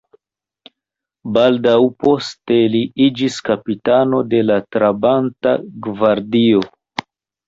Baldaŭ poste li iĝis kapitano de la Trabanta gvardio.